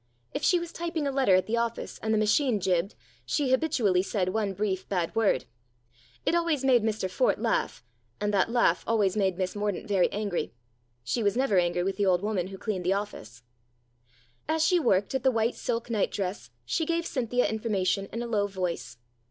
If she was typing a letter at the office and the machine jibbed, she habitually said one brief bad word. It always made Mr Fort 166 STORIES IN GREY laugh, and that laugh always made Miss Mordaunt very angry. She was never angry with the old woman who cleaned the office. As she worked at the white silk nightdress she gave Cynthia information in a low voice.